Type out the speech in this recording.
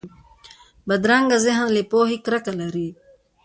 بدرنګه ذهن له پوهې کرکه لري